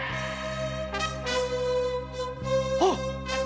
あっ！